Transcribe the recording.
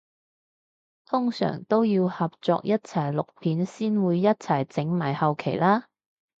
通常都要合作一齊錄片先會一齊整埋後期啦？